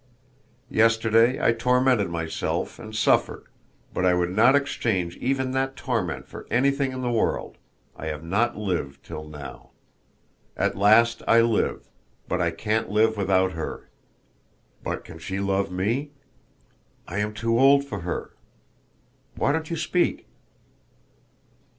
Yesterday I tormented myself and suffered, but I would not exchange even that torment for anything in the world, I have not lived till now. At last I live, but I can't live without her! But can she love me?... I am too old for her.... Why don't you speak?"